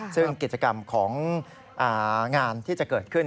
ซึ่งกิจกรรมของงานที่จะเกิดขึ้น